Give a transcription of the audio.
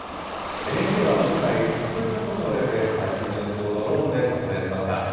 ＮＨＫは今回、特別な許可を得て、最新の様子をドローンで撮影しました。